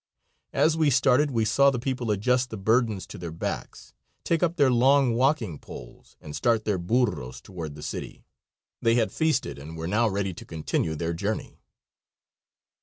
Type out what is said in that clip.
As we started we saw the people adjust the burdens to their backs, take up their long walking poles, and start their burros toward the city. They had feasted and were now ready to continue their journey.